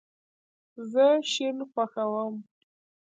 زه شین خوښوم